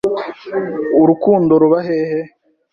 Urukundo ruba hehe?